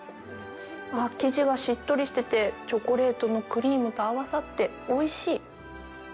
生地がしっとりしてて、チョコレートのクリームと合わさって、おいしい！